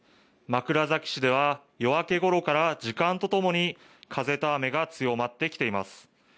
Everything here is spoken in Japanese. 枕崎市では夜明けごろから時間とともに風、雨が強まってきています。